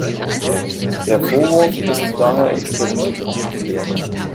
Der Vorwurf ist daher umstritten.